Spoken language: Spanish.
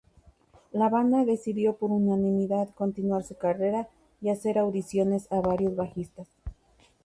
La banda decidió por unanimidad continuar su carrera y hacer audiciones a varios bajistas.